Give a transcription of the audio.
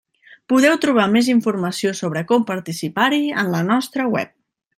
Podeu trobar més informació sobre com participar-hi en la nostra web.